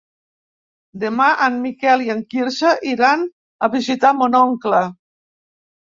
Demà en Miquel i en Quirze iran a visitar mon oncle.